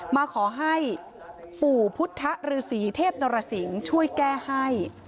มาขอให้ปู่พุทธฤษีเทพนรสิงศ์ช่วยแก้ให้